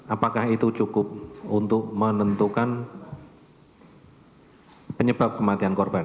apakah itu cukup untuk menentukan penyebab kematian korban